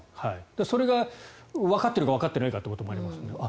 それがわかっているかわかっていないかということもありますよね。